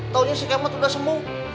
taunya si kemot udah sembuh